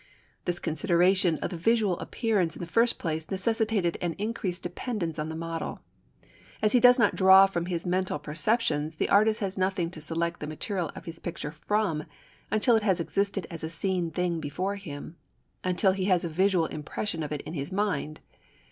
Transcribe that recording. This consideration of the visual appearance in the first place necessitated an increased dependence on the model. As he does not now draw from his mental perceptions the artist has nothing to select the material of his picture from until it has existed as a seen thing before him: until he has a visual impression of it in his mind.